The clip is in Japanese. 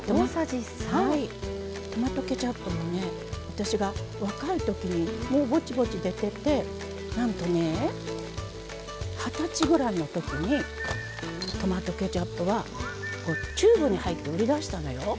トマトケチャップも私が若いときにぼちぼち出てて、なんとね二十歳ぐらいのときにトマトケチャップはチューブに入って売り出したのよ。